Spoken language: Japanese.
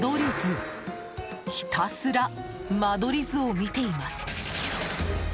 ひたすら間取り図を見ています。